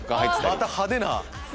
また派手な。